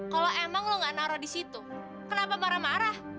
kalau emang lo gak naruh di situ kenapa marah marah